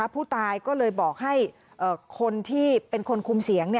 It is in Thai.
ผู้ตายก็เลยบอกให้คนที่เป็นคนคุมเสียง